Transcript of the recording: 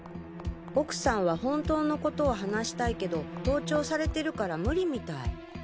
「奥さんは本当のコトを話したいけど盗聴されてるからムリみたい。